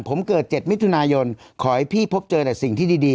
ผมเกิด๗มิถุนายนขอให้พี่พบเจอแต่สิ่งที่ดี